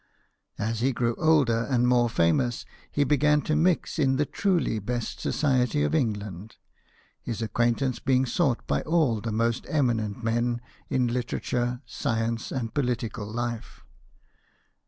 As he grew older and more famous, he began to mix in the truly best society of England ; his acquaintance being sought by all the most eminent men in literature, science, and political life.